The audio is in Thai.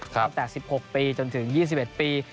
ตั้งแต่๑๖ปีจนถึง๒๑ปี